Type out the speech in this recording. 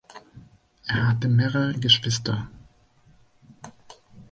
Er hatte mehrere Geschwister.